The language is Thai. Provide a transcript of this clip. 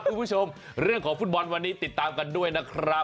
คุณผู้ชมเรื่องของฟุตบอลวันนี้ติดตามกันด้วยนะครับ